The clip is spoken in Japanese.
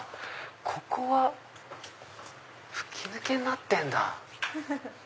ここは吹き抜けになってるんだ。